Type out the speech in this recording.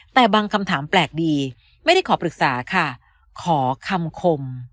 แต่บางคำถามแปลกดีไม่ได้ขอปรึกษาค่ะขอคำคม